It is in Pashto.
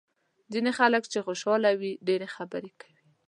ځینې خلک چې خوشاله وي ډېرې خبرې کوي.